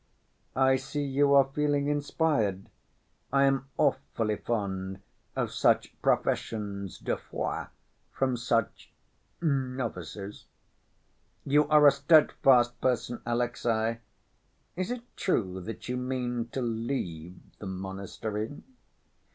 "I see you are feeling inspired. I am awfully fond of such professions de foi from such—novices. You are a steadfast person, Alexey. Is it true that you mean to leave the monastery?"